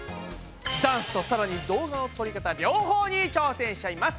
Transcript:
ダンスとさらに動画の撮りかた両方に挑戦しちゃいます！